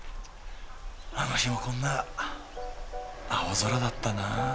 あの日もこんな青空だったな。